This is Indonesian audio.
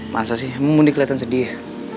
masa sih emang mondi kelihatan sedih